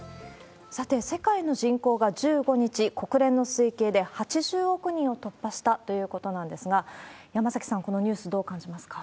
さて、世界の人口が１５日、国連の推計で８０億人を突破したということなんですが、山崎さん、このニュース、どう感じますか？